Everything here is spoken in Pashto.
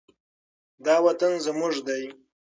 دا وطن زموږ دی.